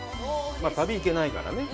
旅に行けないからね。